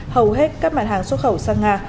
hầu hết các mặt hàng xuất khẩu sang nga